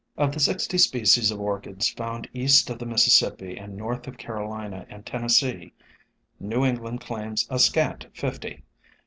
Of the sixty species of Orchids found east of the Mississippi and north of Carolina and Ten nessee, New England claims a scant fifty.